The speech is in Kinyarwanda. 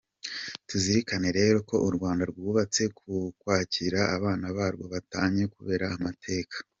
Tuzirikane rero ko u Rwanda rwubatse kukwakira abana barwo batatanye kubera amateka.